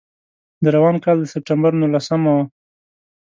د روان کال د سپټمبر نولسمه وه.